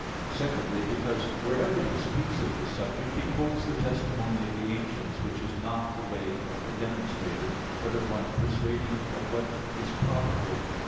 Secondly, because wherever he speaks of this subject, he quotes the testimony of the ancients, which is not the way of a demonstrator, but of one persuading of what is probable.